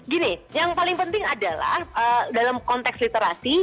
gini yang paling penting adalah dalam konteks literasi